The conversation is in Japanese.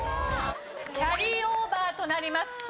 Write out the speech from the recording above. キャリーオーバーとなります。